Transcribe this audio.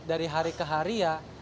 dari hari ke hari ya